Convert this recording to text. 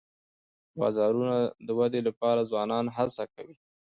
د بازارونو د ودي لپاره ځوانان هڅي کوي.